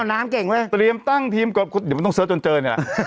น้ำเก่งไหมเตรียมตั้งทีมก่อนเดี๋ยวมันต้องเสิร์ชจนเจอเนี่ยแหละ